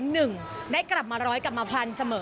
หนึ่งได้กลับมาร้อยกลับมาพลันเสมอ